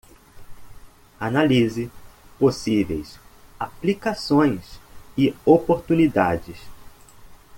Analise possíveis aplicações e oportunidades